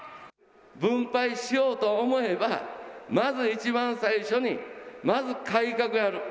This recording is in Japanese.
分配しようと思えば、まず１番最初にまず改革をやる。